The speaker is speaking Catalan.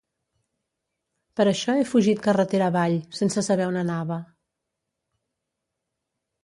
Per això he fugit carretera avall, sense saber on anava.